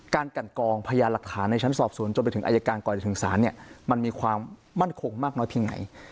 การกันกองพยานหลักฐานในชั้นสอบสวนจนไปถึงอายการก่อนจะถึงศาลเนี่ยมันมีความมั่นคงมากน้อยเพียงไหน